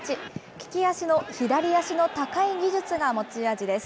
利き足の左足の高い技術が持ち味です。